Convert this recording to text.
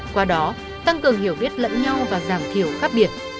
qua đó tăng cường hiểu biết lẫn nhau và giảm thiểu khác biệt